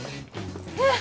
えっ！